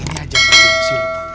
ini ajangnya di silupan